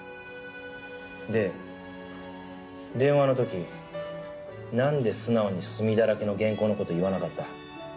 で電話の時なんで素直に墨だらけの原稿の事言わなかった？